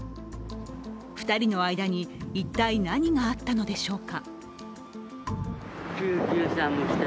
２人の間に一体、何があったのでしょうか。